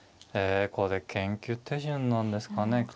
えこれ研究手順なんですかね